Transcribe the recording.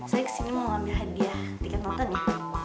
saya kesini mau ambil hadiah tiket makan ya